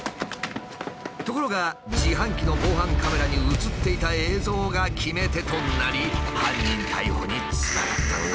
ところが自販機の防犯カメラに映っていた映像が決め手となり犯人逮捕につながったのだ。